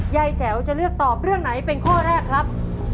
แจ๋วจะเลือกตอบเรื่องไหนเป็นข้อแรกครับ